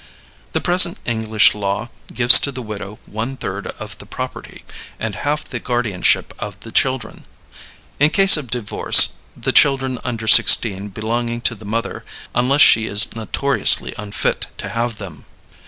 The present English law gives to the widow one third of the property, and half the guardianship of the children. In case of divorce, the children under sixteen belong to the mother, unless she is notoriously unfit to have them.